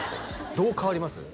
どう変わります？